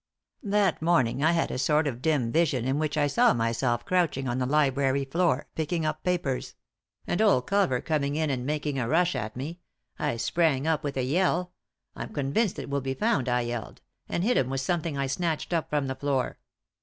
" That morning I had a sort of dim vision in which I saw myself crouching on the library Boor, picking up papers; and old Culver coming in and making a rush at me, I sprang up with a yell — I'm convinced it will be found I yelled — and bit him with something I snatched up from the floor.